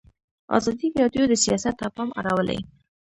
ازادي راډیو د سیاست ته پام اړولی.